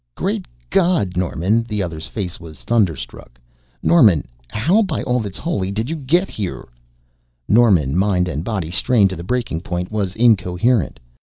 "Great God Norman!" The other's face was thunderstruck. "Norman how by all that's holy did you get here?" Norman, mind and body strained to the breaking point, was incoherent.